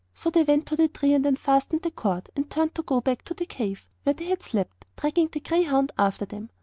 So they went to the tree and unfastened the cord, and turned to go back to the cave where they had slept, dragging the greyhound after them.